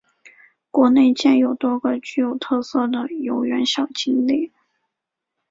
园内建有多个具有特色的游园小景点。